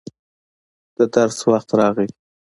د درس وخت راغی.